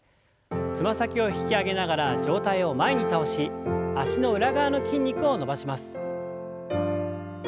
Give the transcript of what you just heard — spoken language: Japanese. つま先を引き上げながら上体を前に倒し脚の裏側の筋肉を伸ばします。